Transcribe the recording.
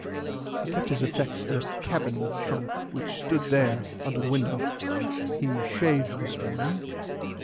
He kept his effects in a cabin trunk which stood there under the window. He shaved this morning.